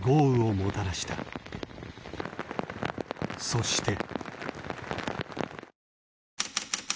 そして。